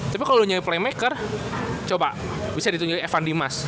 tapi kalau nyanyi playmaker coba bisa ditunjukin evan dimas